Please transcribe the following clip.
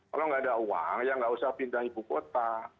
kalau nggak ada uang ya nggak usah pindah ibu kota